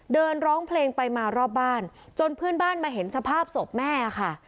ร้องเพลงไปมารอบบ้านจนเพื่อนบ้านมาเห็นสภาพศพแม่ค่ะ